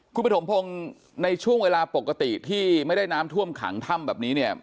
คุณปฐมพงศ์ในช่วงเวลาปกติที่ไม่ได้น้ำท่วมขังถ้ำแบบนี้เนี่ย